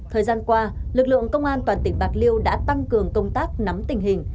thời gian qua lực lượng công an toàn tỉnh bạc liêu đã tăng cường công tác nắm tình hình